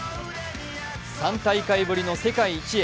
３大会ぶりの世界一へ。